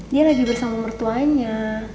dia lagi bersama mertuanya